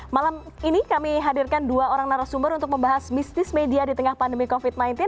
malam ini kami hadirkan dua orang narasumber untuk membahas mistis media di tengah pandemi covid sembilan belas